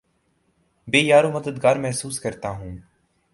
بے یارومددگار محسوس کرتا ہوں